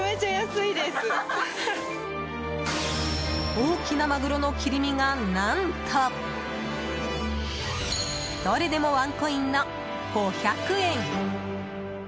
大きなマグロの切り身が、何とどれでもワンコインの５００円！